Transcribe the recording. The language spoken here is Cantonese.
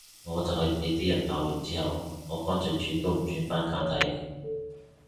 我就係畀啲人鬧完之後，我乾脆轉都唔轉返簡體